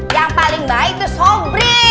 yang paling baik itu sobri